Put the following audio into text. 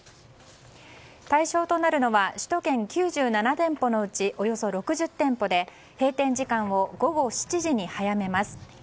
対象となるのは首都圏９７店舗のうちおよそ６０店舗で閉店時間を午後７時に早めます。